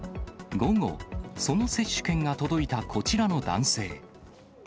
午後、その接種券が届いたこちらの男性。